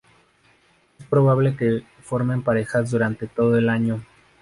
Es probable que formen parejas durante todo el año.